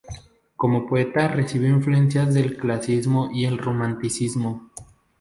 Como poeta recibió influencias del clasicismo y el romanticismo.